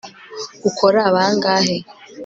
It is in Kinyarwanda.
ukora bangahe